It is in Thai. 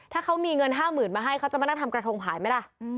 ถ้าเขามีเงิน๕๐๐๐มาให้เขาจะมานั่งทำกระทงขายไหมล่ะ